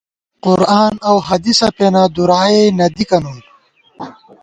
قرآن اؤ حدیثہ پېنہ ، دُرائے نہ دِکہ نُون